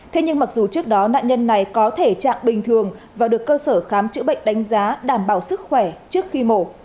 thế nhưng mặc dù trước đó nạn nhân này có thể trạng bình thường và được cơ sở khám chữa bệnh đánh giá đảm bảo sức khỏe trước khi mổ